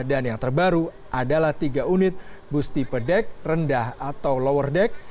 dan yang terbaru adalah tiga unit bus tipe deck rendah atau lower deck